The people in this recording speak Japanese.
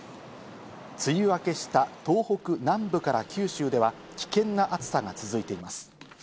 梅雨明けした東北南部から九州では危険な暑さが続いています。